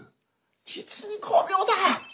実に巧妙だ。